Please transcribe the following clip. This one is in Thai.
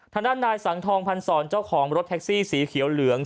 ทางด้านนายสังทองพันศรเจ้าของรถแท็กซี่สีเขียวเหลือง